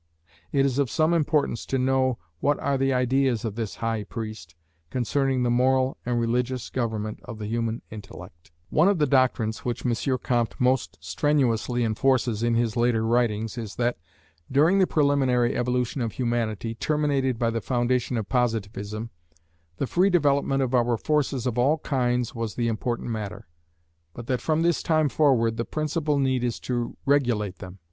It is of some importance to know what are the ideas of this High Priest, concerning the moral and religious government of the human intellect. One of the doctrines which M. Comte most strenuously enforces in his later writings is, that during the preliminary evolution of humanity, terminated by the foundation of Positivism, the free development of our forces of all kinds was the important matter, but that from this time forward the principal need is to regulate them.